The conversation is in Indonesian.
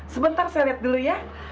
sebentar saya lihat dulu ya